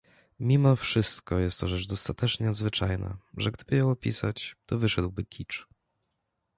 Mimo wszystko jest to rzecz dostatecznie nadzwyczajna, że gdyby ją opisać, to wyszedłby kicz.